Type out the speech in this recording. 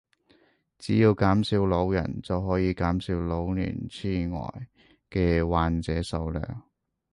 只要減少老人就可以減少老年癡呆嘅患者數量